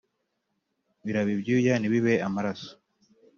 birabe ibyuya ntibibe amaraso